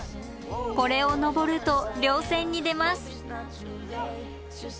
これを登ると稜線に出ます。